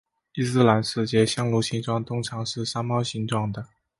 伊斯兰世界香炉形状通常是山猫形状的。